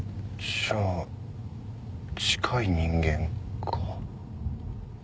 じゃあ近い人間か。